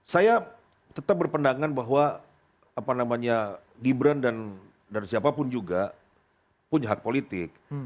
saya tetap berpendangan bahwa gibran dan siapapun juga punya hak politik